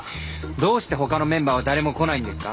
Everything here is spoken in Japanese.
どうして他のメンバーは誰も来ないんですか？